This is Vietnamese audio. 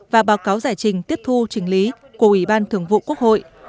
và báo cáo giải trình tiếp thu trình lý của ủy ban thường vụ quốc hội